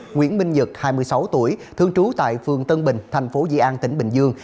nguyễn minh nhật hai mươi sáu tuổi thương trú tại phường tân bình thành phố di an tỉnh bình dương